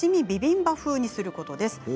ビビンバ風にすることです。